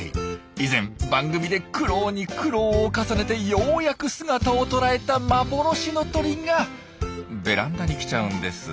以前番組で苦労に苦労を重ねてようやく姿を捉えた幻の鳥がベランダに来ちゃうんです。